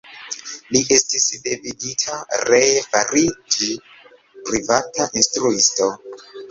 Li estis devigita ree fariĝi privata instruisto.